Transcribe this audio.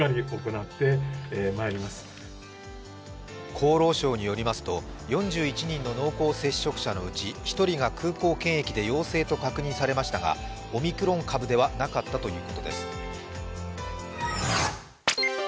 厚労省によりますと、４１人の濃厚接触者のうち１人が空港検疫で陽性と確認されましたが、オミクロン株ではなかったということです。